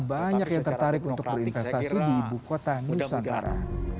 banyak yang tertarik untuk berinvestasi di ibu kota nusantara